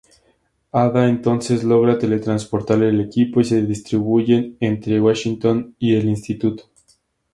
Hada entonces logra teletransportar al equipo y se distribuyen entre Washington y el Instituto.